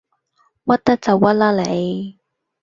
屈得就屈啦你